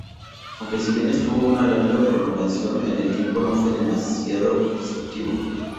Aunque si bien tuvo una larga prolongación en el tiempo no fue demasiado destructivo.